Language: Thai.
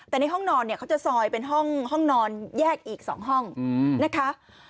แต่ในห้องนอนเนี่ยเขาจะซอยเป็นห้องนอนแยกอีก๒ห้องนะคะ